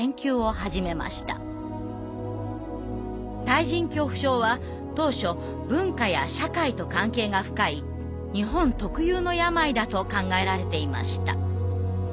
対人恐怖症は当初文化や社会と関係が深い日本特有の病だと考えられていました。